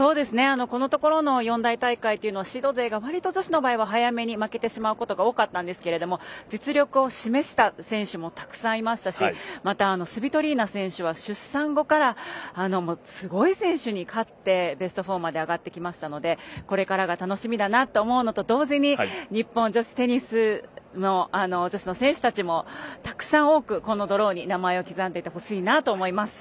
このところの四大大会というのはシード勢がわりと女子の場合は早めに負けてしまうことが多かったんですけども実力を示した選手もたくさんいましたしスビトリーナ選手は出産後からすごい選手に勝ってベスト４まで上がってきましたんでこれからが楽しみだなと思うのと同時に日本の女子の選手たちもたくさん多く、このドローに名前を刻んでいってほしいなと思います。